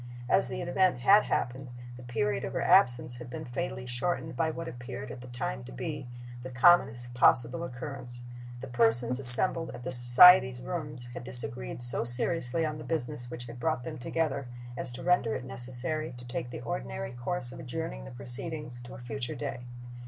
As the event had happened, the period of her absence had been fatally shortened by what appeared at the time to be, the commonest possible occurrence. The persons assembled at the society's rooms had disagreed so seriously on the business which had brought them together as to render it necessary to take the ordinary course of adjourning the proceedings to a future day.